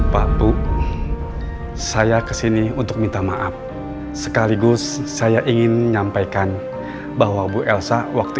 waktu saya kesini untuk minta maaf sekaligus saya ingin menyampaikan bahwa bu elsa waktu